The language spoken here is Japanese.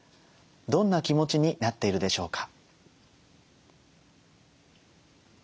どんな気持ちになっているでしょうか。